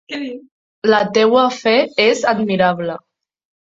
La teua fe és admirable.